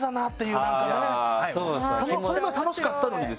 それまで楽しかったのにですよ。